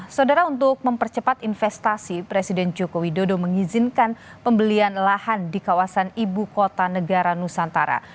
saudara untuk mempercepat investasi presiden joko widodo mengizinkan pembelian lahan di kawasan ibu kota negara nusantara